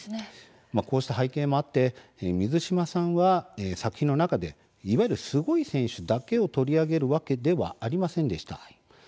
こうした背景もあって水島さんは作品の中で、いわゆるすごい選手だけを取り上げるわけではありませんでした。